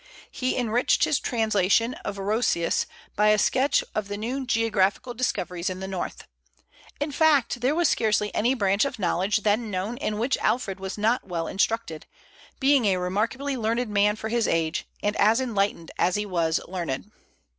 He enriched his translation of Orosius by a sketch of the new geographical discoveries in the North. In fact, there was scarcely any branch of knowledge then known in which Alfred was not well instructed, being a remarkably learned man for his age, and as enlightened as he was learned.